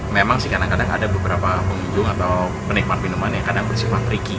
memang sih kadang kadang ada beberapa pengunjung atau penikmat minuman yang kadang bersifat tricky